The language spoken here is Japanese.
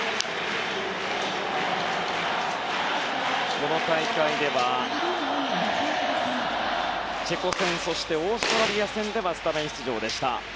この大会ではチェコ戦そしてオーストラリア戦ではスタメン出場でした。